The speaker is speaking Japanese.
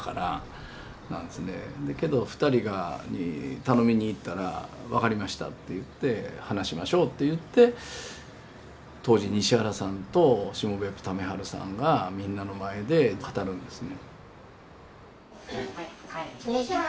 けど２人に頼みに行ったら「分かりました」といって「話しましょう」といって当時西原さんと下別府為治さんがみんなの前で語るんですね。